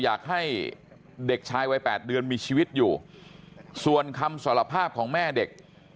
อยากให้เด็กชายวัย๘เดือนมีชีวิตอยู่ส่วนคำสารภาพของแม่เด็ก